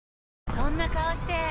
そんな顔して！